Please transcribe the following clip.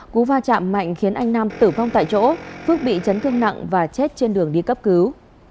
cú va chạm mạnh khiến anh nam tử vong tại chỗ phước bị chấn thương nặng và chết trên đường đi cấp cứu